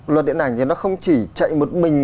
luật điện ảnh thì nó không chỉ chạy một mình